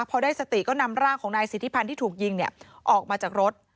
พอได้สติก็นำร่างของนายสิทธิพันธ์ที่ถูกยิงเนี่ยออกมาจากรถ